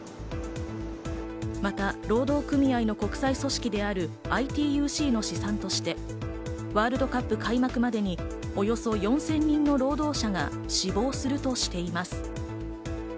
また労働組合の国際組織であるＩＴＵＣの試算として、ワールドカップ開幕までにおよそ４０００人の労働者が死亡するとしています。